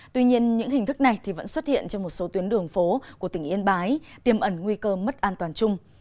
tuy nhiên những hình thức này vẫn xuất hiện trên một số tuyến đường phố của tỉnh yên bái tiêm ẩn nguy cơ mất an toàn chung